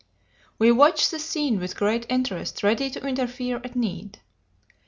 We watched the scene with great interest, ready to interfere at need.